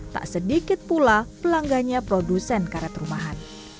tak sedikit pula pelanggannya produsen karet rumahan